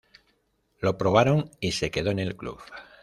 Lo probaron y se quedó en el club.